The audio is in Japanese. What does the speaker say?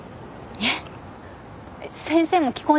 えっ。